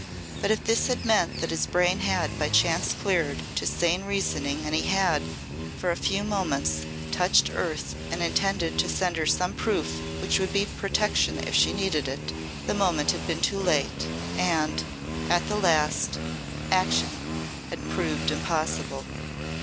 But if this had meant that his brain had by chance cleared to sane reasoning and he had, for a few moments touched earth and intended to send her some proof which would be protection if she needed it the moment had been too late and, at the last, action had proved impossible.